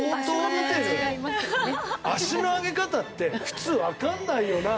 足の上げ方って普通わかんないよな。